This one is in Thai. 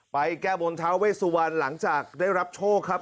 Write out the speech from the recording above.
ไปแก้บวนเท้าเวสวันหลังจากได้รับโชคครับ